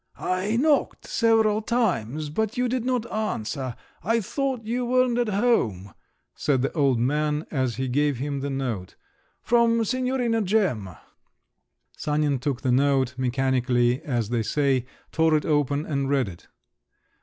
"I knocked several times, but you did not answer; I thought you weren't at home," said the old man, as he gave him the note. "From Signorina Gemma." Sanin took the note, mechanically, as they say, tore it open, and read it.